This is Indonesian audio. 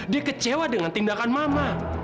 dia kecewa dengan tindakan mama